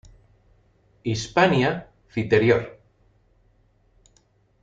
Hispania Citerior